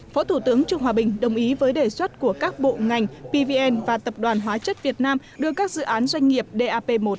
phó thủ tướng trung hòa bình đồng ý với đề xuất của các bộ ngành pvn và tập đoàn hóa chất việt nam đưa các dự án doanh nghiệp dap một